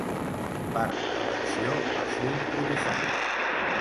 Part de l'acció va ser improvisada.